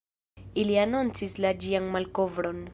Ili anoncis la ĝian malkovron.